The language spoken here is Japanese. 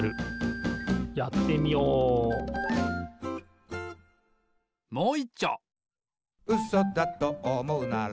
やってみようもういっちょ！